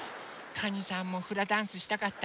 かにさんもフラダンスしたかったのね。